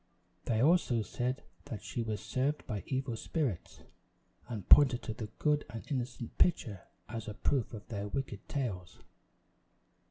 They also said that she was served by evil spirits, and pointed to the good and innocent pitcher as a proof of their wicked tales.